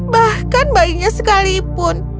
bahkan bayinya sekalipun